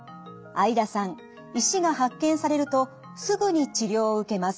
會田さん石が発見されるとすぐに治療を受けます。